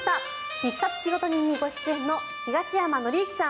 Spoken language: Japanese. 「必殺仕事人」にご出演の東山紀之さん